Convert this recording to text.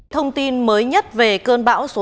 thông tin mới nhất về cơn bão số năm